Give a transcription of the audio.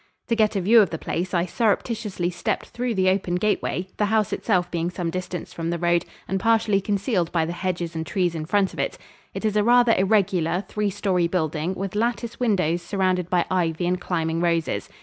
To get a view of the place, I surreptitiously stepped through the open gateway, the house itself being some distance from the road and partially concealed by the hedges and trees in front of it. It is a rather irregular, three story building, with lattice windows surrounded by ivy and climbing roses.